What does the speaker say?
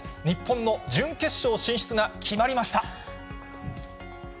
日本の準決勝進出が決まりました。